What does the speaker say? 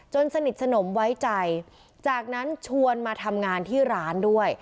สนิทสนมไว้ใจจากนั้นชวนมาทำงานที่ร้านด้วย